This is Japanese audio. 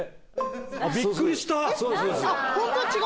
あっびっくりした！